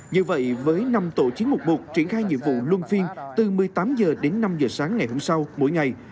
như vậy với năm tổ chiến mục một triển khai nhiệm vụ luân phiên từ một mươi tám h đến năm h sáng ngày hôm sau mỗi ngày